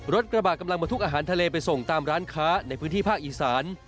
กระบะกำลังมาทุกอาหารทะเลไปส่งตามร้านค้าในพื้นที่ภาคอีสาน